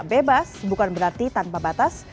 bebas bukan berarti tanpa batas